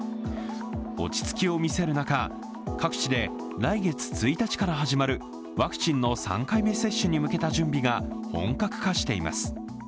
落ち着きを見せる中、各地で来月１日から始まる、ワクチンの３回目接種に向けた準備が本格化しています。